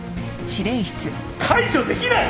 解除できない！？